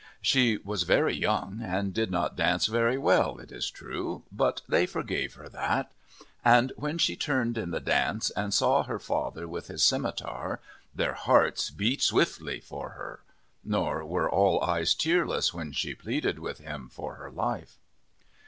She was very young and did not dance very well, it is true, but they forgave her that. And when she turned in the dance and saw her father with his scimitar, their hearts beat swiftly for her. Nor were all eyes tearless when she pleaded with him for her life.